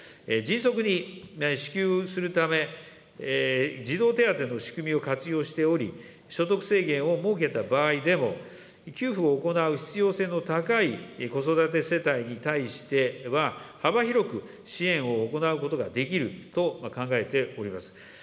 迅速に支給するため、児童手当の仕組みを活用しており、所得制限を設けた場合でも、給付を行う必要性の高い子育て世帯に対しては、幅広く支援を行うことができると考えております。